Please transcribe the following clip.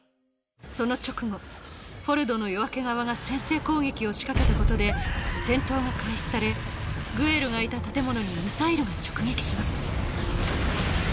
その直後フォルドの夜明け側が先制攻撃を仕掛けたことで戦闘が開始されグエルがいた建物にミサイルが直撃しますドカーン！